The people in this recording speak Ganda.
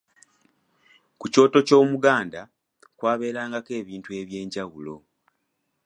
Ku kyoto ky'Omuganda, kwabeerangako ebintu eby'enjawulo.